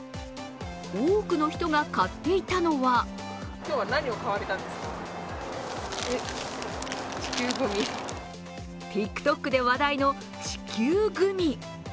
多くの人が買っていたのはＴｉｋＴｏｋで話題の地球グミ。